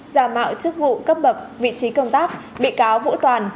giả mạo chức vụ cấp bậc vị trí công tác bị cáo vũ toàn